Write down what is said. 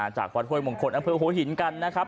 จากวัตถุมงคลอำเภอโมงคลหินกันนะครับ